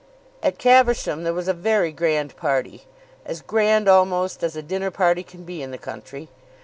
At Caversham there was a very grand party, as grand almost as a dinner party can be in the country.